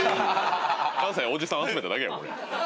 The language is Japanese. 関西のおじさん集めただけやこれ。